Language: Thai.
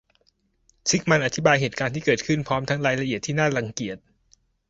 ซิกมันด์อธิบายเหตุการณ์ที่เกิดขึ้นพร้อมทั้งรายละเอียดที่น่ารังเกียจ